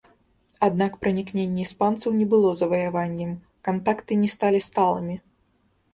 Аднак пранікненне іспанцаў не было заваяваннем, кантакты не сталі сталымі.